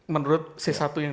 menurut c satu yang